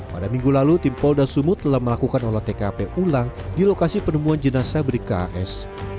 pada minggu lalu tim polda sumut telah melakukan olah tkp ulang di lokasi penemuan jenazah bribka as